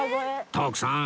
徳さん